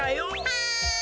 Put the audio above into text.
はい。